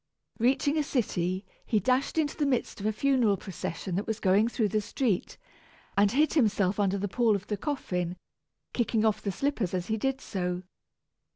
Reaching a city, he dashed into the midst of a funeral procession that was going through the street, and hid himself under the pall of the coffin, kicking off the slippers as he did so.